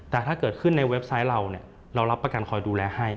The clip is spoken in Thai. แต่ถ้าเกิดขึ้นในเว็บไซต์เราเรารับประกันคอยดูแลให้